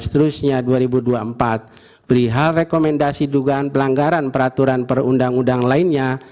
seterusnya dua ribu dua puluh empat perihal rekomendasi dugaan pelanggaran peraturan perundang undang lainnya